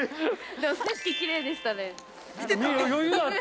でも、景色きれいでしたね。